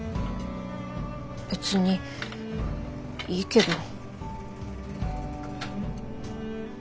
別にいいけど。